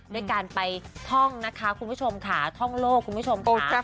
ด้วยการไปท่องนะคะท่องโลกคุณผู้ชมค่ะ